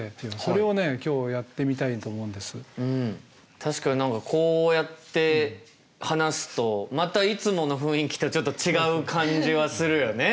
確かに何かこうやって話すとまたいつもの雰囲気とちょっと違う感じはするよね。